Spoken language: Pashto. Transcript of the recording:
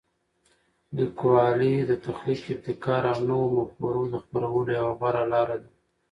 لیکوالی د تخلیق، ابتکار او نوو مفکورو د خپرولو یوه غوره لاره ده.